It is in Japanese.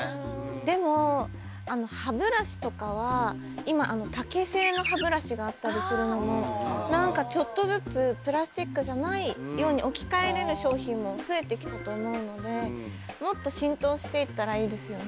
でも歯ブラシとかは今竹製の歯ブラシがあったりするのも何かちょっとずつプラスチックじゃないように置き換えれる商品も増えてきたと思うのでもっと浸透していったらいいですよね